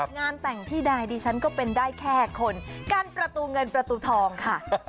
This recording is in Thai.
งานแต่งที่ใดดิฉันก็เป็นได้แค่คนกั้นประตูเงินประตูทองค่ะ